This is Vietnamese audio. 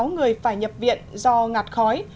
bốn mươi sáu người phải nhập viện do ngạt khói